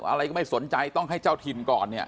จะมากรอะไรก็ไม่สนใจต้องให้เจ้าถิ่นก่อน